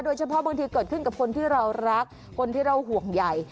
บางทีเกิดขึ้นกับคนที่เรารักคนที่เราห่วงใหญ่